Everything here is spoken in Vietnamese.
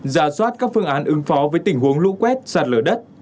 ra soát các phương án ứng phó với tình huống lũ quét sạt lở đất